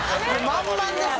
満々ですよ。